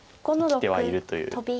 生きてはいるという。